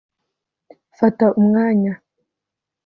fata umwanya